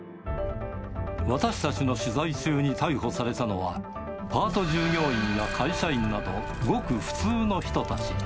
私たちの取材中に逮捕されたのは、パート従業員や会社員などごく普通の人たち。